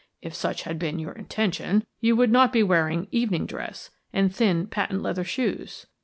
If such had been your intention, you would not be wearing evening dress, and thin, patent leather shoes.